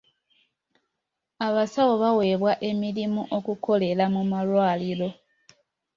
Abasawo baweebwa emirimu okukolera mu malwaliro.